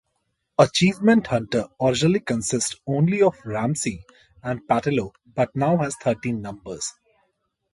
Achievement Hunter originally consisted only of Ramsey and Pattillo, but now has thirteen members.